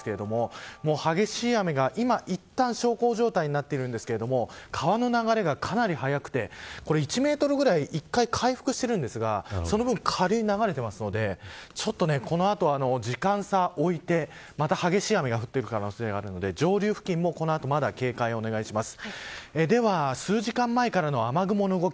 そして、こちらが先ほどの良幸さんがいた中継場所なんですが激しい雨が今いったん小康状態になっているんですが川の流れがかなり速くて１メートルぐらい１回、回復しているんですがその分、下流に流れているのでこの後、時間差を置いてまた激しい雨が降ってくる可能性があるので上流付近もこの後まだ警戒をお願いします。